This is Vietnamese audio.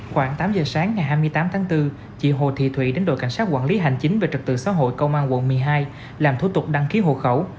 khoảng tám giờ sáng ngày hai mươi tám tháng bốn chị hồ thị thủy đến đội cảnh sát quản lý hành chính về trật tự xã hội công an quận một mươi hai làm thủ tục đăng ký hộ khẩu